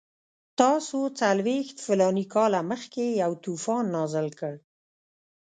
تاسو څلوېښت فلاني کاله مخکې یو طوفان نازل کړ.